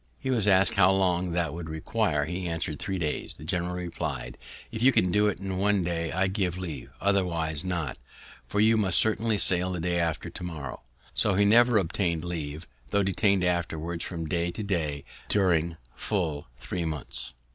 He was asked how long time that would require. He answered, three days. The general replied, "If you can do it in one day, I give leave; otherwise not; for you must certainly sail the day after to morrow." So he never obtain'd leave, though detained afterwards from day to day during full three months.